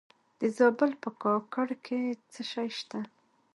د زابل په کاکړ کې څه شی شته؟